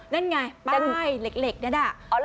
นั่นไงป้ายเหล็กนั่นแหละ